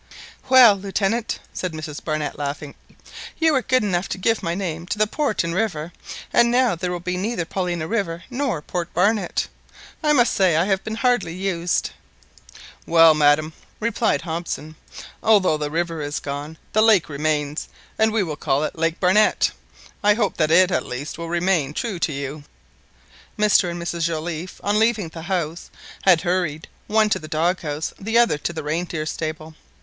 "Well, Lieutenant," said Mrs Barnett, laughing, "you were good enough to give my name to the port and river, and now there will be neither Paulina river nor Port Barnett. I must say I have been hardly used." "Well, madam," replied Hobson, "although the river is gone, the lake remains, and we will call it Lake Barnett. I hope that it at least will remain true to you." Mr and Mrs Joliffe, on leaving the house, had hurried, one to the doghouse, the other to the reindeer stable.